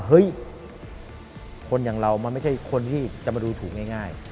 เฮ้ยคนอย่างเรามันไม่ใช่คนที่จะมาดูถูกง่าย